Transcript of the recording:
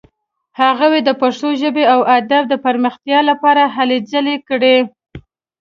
هغوی د پښتو ژبې او ادب د پرمختیا لپاره هلې ځلې کړې.